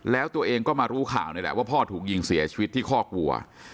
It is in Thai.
แล้วตัวเองก็มารู้ข่าวนี่แหละว่าพ่อถูกยิงเสียชีวิตที่คอกวัว